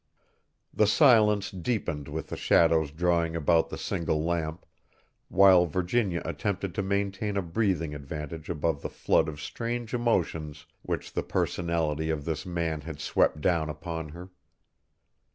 The silence deepened with the shadows drawing about the single lamp, while Virginia attempted to maintain a breathing advantage above the flood of strange emotions which the personality of this man had swept down upon her.